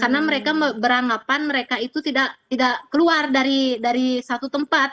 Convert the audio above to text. karena mereka beranggapan mereka itu tidak keluar dari satu tempat